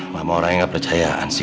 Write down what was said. mama orang yang gak percayaan sih